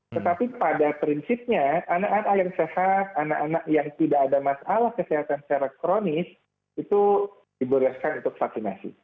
tetapi pada prinsipnya anak anak yang sehat anak anak yang tidak ada masalah kesehatan secara kronis itu dibolehkan untuk vaksinasi